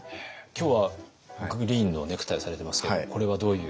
今日はグリーンのネクタイをされてますけどこれはどういう？